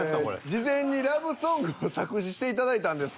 事前にラブソングを作詞していただいたんですか。